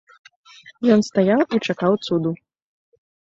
Ён стаяў і чакаў цуду.